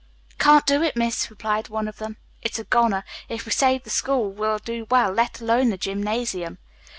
"Can't do it, miss," replied one of them. "It's a goner. If we save the school we'll do well, let alone the gymnasium."